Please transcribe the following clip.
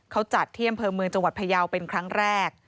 เขาจัดเที่ยมเพลิมือจังหวัดพระเยาเป็นครั้งแรก